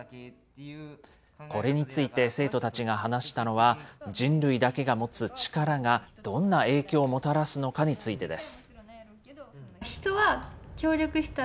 これについて生徒たちが話したのは、人類だけが持つ力が、どんな影響をもたらすのかについてです。